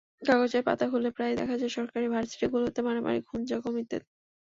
কাগজের পাতা খুললে প্রায়ই দেখা যায় সরকারি ভার্সিটিগুলোতে মারামারি, খুন জখম ইত্যাদি।